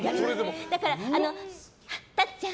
だから、タッちゃん